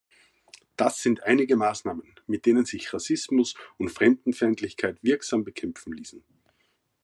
Das sind einige Maßnahmen, mit denen sich Rassismus und Fremdenfeindlichkeit wirksam bekämpfen ließen.